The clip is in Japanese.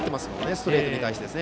ストレートに対して。